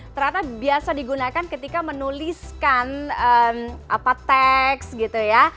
ternyata biasa digunakan ketika menuliskan teks gitu ya